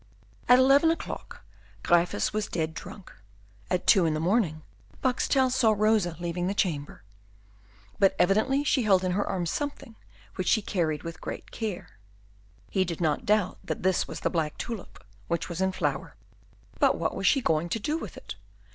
At eleven o'clock Gryphus was dead drunk. At two in the morning Boxtel saw Rosa leaving the chamber; but evidently she held in her arms something which she carried with great care. He did not doubt that this was the black tulip which was in flower. But what was she going to do with it?